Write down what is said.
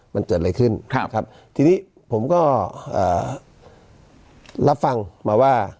มันเกิดอะไรขึ้นครับทีนี้ผมก็รับฟังมาว่า